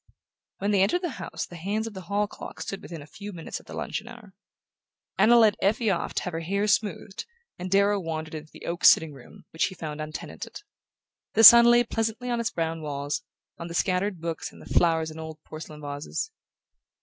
When they entered the house the hands of the hall clock stood within a few minutes of the luncheon hour. Anna led Effie off to have her hair smoothed and Darrow wandered into the oak sitting room, which he found untenanted. The sun lay pleasantly on its brown walls, on the scattered books and the flowers in old porcelain vases.